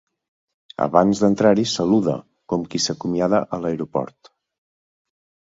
Abans d'entrar-hi saluda, com qui s'acomiada a l'aeroport.